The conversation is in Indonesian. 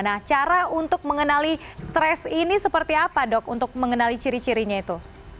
nah cara untuk mengenali stres ini seperti apa dok untuk mengenali ciri cirinya itu